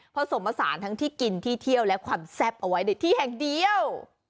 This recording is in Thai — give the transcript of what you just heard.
ผสมผสานทั้งที่กินที่เที่ยวและความแซ่บเอาไว้ในที่แห่งเดียว